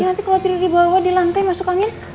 ya nanti kalau tidur di bawah di lantai masuk angin